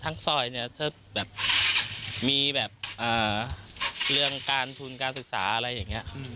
ทางซอยมีเรื่องการทุนการศึกษาอะไรอย่างนี้